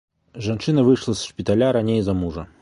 Жанчына выйшла з шпіталя раней за мужа.